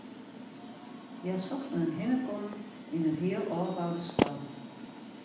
Hja sochten in hinnekommen yn in heal ôfboude skoalle.